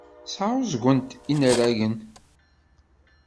Sɛeẓgent inaragen.